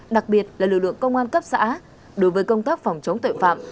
đặc biệt là lực lượng công an cấp xã đối với công tác phòng chống tội phạm